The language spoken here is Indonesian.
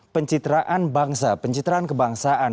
pencitraan bangsa pencitraan kebangsaan